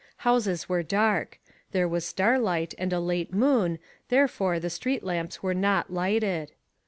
Houses were dark. There was starlight, and a late moon, therefore the street lamps were not lighted.